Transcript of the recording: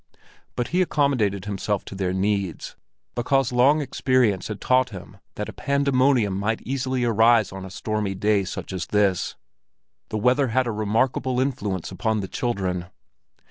But he accommodated himself to their needs, because long experience had taught him that a pandemonium might easily arise on a stormy day such as this; the weather had a remarkable influence upon the children.